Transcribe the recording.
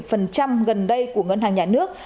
phần trăm gần đây của ngân hàng nhà nước